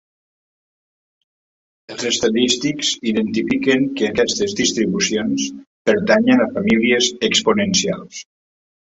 Els estadístics identifiquen que aquestes distribucions pertanyen a famílies exponencials.